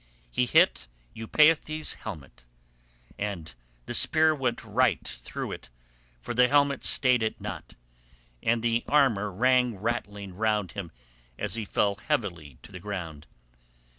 He hit Eupeithes' helmet, and the spear went right through it, for the helmet stayed it not, and his armour rang rattling round him as he fell heavily to the ground.